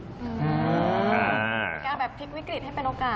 การแบบพลิกวิกฤตให้เป็นโอกาส